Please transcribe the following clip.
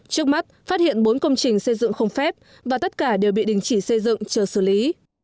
trước mắt phát hiện bốn công trình xây dựng không phép và tất cả đều bị đình chỉ xây dựng chờ xử lý